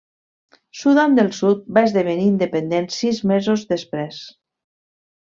Sudan del Sud va esdevenir independent sis mesos després.